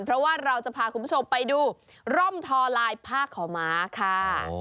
เพราะว่าเราจะพาคุณผู้ชมไปดูร่มทอลายผ้าขาวม้าค่ะ